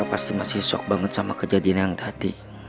pasti masih shock banget sama kejadian yang tadi